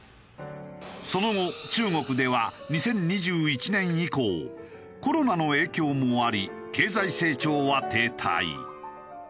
その後中国では２０２１年以降コロナの影響もあり経済成長は停滞。